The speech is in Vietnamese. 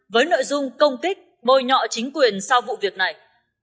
với nội dung công kích bồi nhọ chính quyền sau vụ việc này